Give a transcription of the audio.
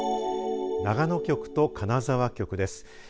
長野局と金沢局です。